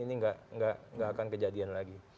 ini nggak akan kejadian lagi